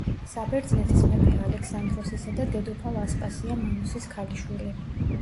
საბერძნეთის მეფე ალექსანდროსისა და დედოფალ ასპასია მანოსის ქალიშვილი.